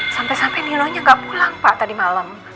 sampai sampai nino nya gak pulang pak tadi malam